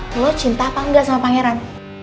lo cinta apa enggak sama pangeran